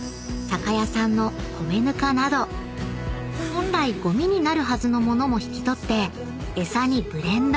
［本来ゴミになるはずの物も引き取ってエサにブレンド］